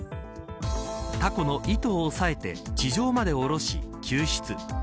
たこの糸を押さえて地上まで下ろし、救出。